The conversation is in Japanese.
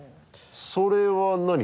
それは何？